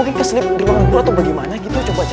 pak ustadz tempat anak kita mana